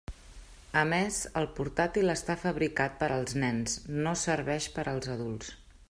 A més, el portàtil està fabricat per als nens, no serveix per als adults.